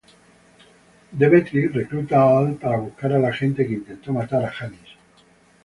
Demetri recluta a Al para buscar a la gente que intentó matar a Janis.